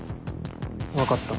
わかった。